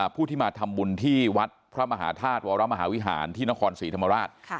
ผู้ที่มาทำบุญที่วัดพระมหาธาตุวรมหาวิหารที่นครศรีธรรมราช